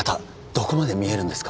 どこまで見えるんですか？